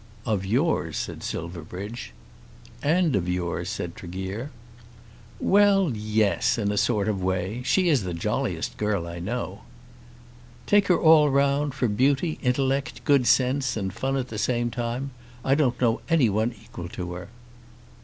"Of yours," said Silverbridge. "And of yours," said Tregear. "Well, yes; in a sort of way. She is the jolliest girl I know." "Take her all round, for beauty, intellect, good sense, and fun at the same time, I don't know any one equal to her."